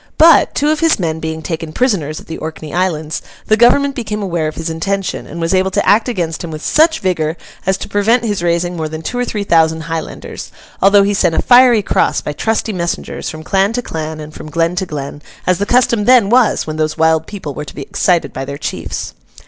But, two of his men being taken prisoners at the Orkney Islands, the Government became aware of his intention, and was able to act against him with such vigour as to prevent his raising more than two or three thousand Highlanders, although he sent a fiery cross, by trusty messengers, from clan to clan and from glen to glen, as the custom then was when those wild people were to be excited by their chiefs.